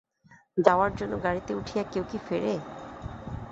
যাওয়ার জন্য গাড়িতে উঠিয়া কেউ কী ফেরে?